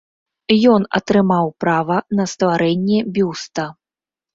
Ён атрымаў права на стварэнне бюста.